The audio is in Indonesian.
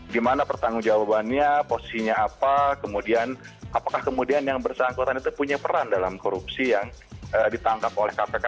di mana pertanggung jawabannya posisinya apa kemudian apakah kemudian yang bersangkutan itu punya peran dalam korupsi yang ditangkap oleh kpk